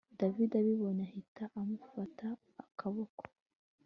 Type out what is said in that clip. david abibonye ahita amufata akaboko